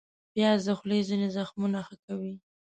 پیاز د خولې ځینې زخمونه ښه کوي